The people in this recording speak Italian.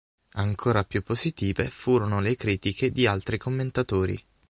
Ancora più positive furono le critiche di altri commentatori.